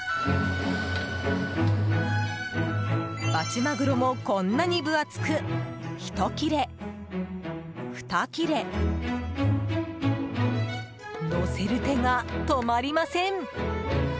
バチマグロもこんなに分厚くひと切れ、ふた切れのせる手が止まりません！